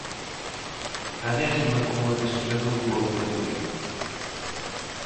A décima como adestrador do Obradoiro.